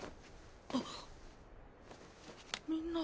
あっみんな。